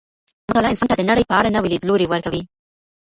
مطالعه انسان ته د نړۍ په اړه نوی ليدلوری ورکوي.